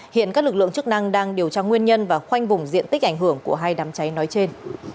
hiện các lực lượng chức năng đang điều tra nguyên nhân và khoanh vùng diện tích ảnh hưởng của hai đám cháy nói trên